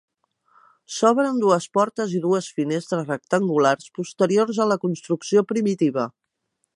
S'obren dues portes i dues finestres rectangulars, posteriors a la construcció primitiva.